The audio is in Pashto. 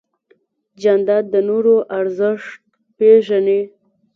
جانداد د نورو ارزښت پېژني.